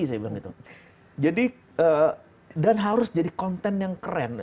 dan harus jadi konten yang keren